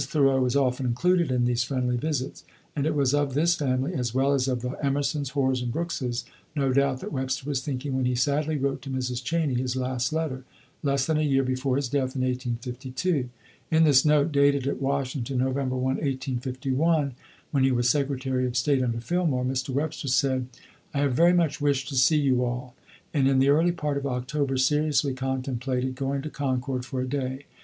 Thoreau was often included in these friendly visits; and it was of this family, as well as of the Emersons, Hoars, and Brookses, no doubt, that Webster was thinking when he sadly wrote to Mrs. Cheney his last letter, less than a year before his death in 1852. In this note, dated at Washington, November 1, 1851, when he was Secretary of State under Fillmore, Mr. Webster said: "I have very much wished to see you all, and in the early part of October seriously contemplated going to Concord for a day.